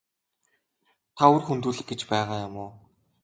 Та үр хөндүүлэх гэж байгаа юм уу?